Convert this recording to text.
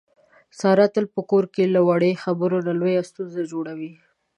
ساره تل په کور کې له وړې خبرې نه لویه ستونزه جوړي.